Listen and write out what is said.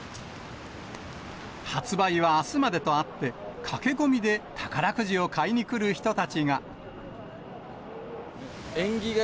発売はあすまでとあって、駆け込みで宝くじを買いに来る人たちが。